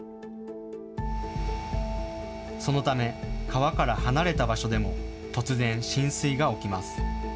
そのため川から離れた場所でも突然浸水が起きます。